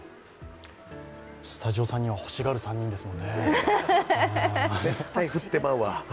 スタジオには欲しがる３人ですもんね。